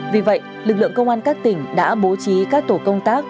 vì vậy lực lượng công an các tỉnh đã bố trí các tổ công tác